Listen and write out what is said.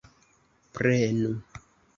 Prenu!